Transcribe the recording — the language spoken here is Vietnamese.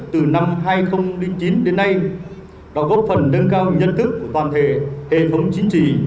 từ năm hai nghìn chín đến nay đã góp phần nâng cao nhận thức của toàn thể hệ thống chính trị